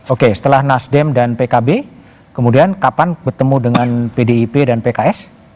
oke setelah nasdem dan pkb kemudian kapan bertemu dengan pdip dan pks